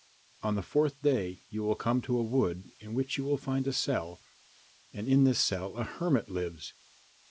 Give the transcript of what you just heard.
On the fourth day you will come to a wood in which you will find a cell, and in this cell a hermit lives.